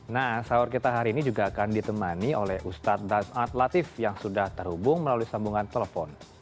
nah sahur kita hari ini juga akan ditemani oleh ustadz latif yang sudah terhubung melalui sambungan telepon